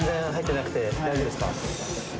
大丈夫ですか？